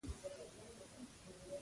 خير مه هېروه.